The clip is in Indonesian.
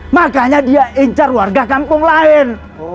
makanya dia incar warga kampung lain